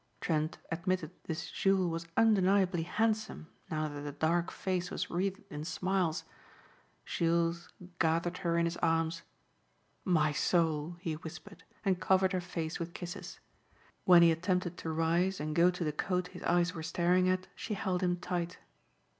Trent admitted this Jules was undeniably handsome now that the dark face was wreathed in smiles. Jules gathered her in his arms. "My soul," he whispered, and covered her face with kisses. When he attempted to rise and go to the coat his eyes were staring at, she held him tight.